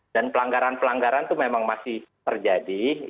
dan pelanggaran pelanggaran itu masih terjadi